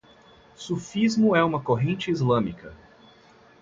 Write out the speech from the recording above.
Sufismo é uma corrente islâmica